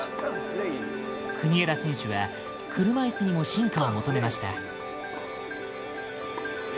国枝選手は車いすにも進化を求めました。